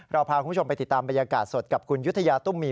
พาคุณผู้ชมไปติดตามบรรยากาศสดกับคุณยุธยาตุ้มมี